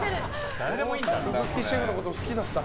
鈴木シェフのことも好きだった。